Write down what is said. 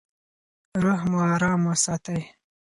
روح مو ارام وساتئ.